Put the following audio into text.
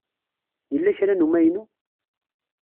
Yella kra n umaynu?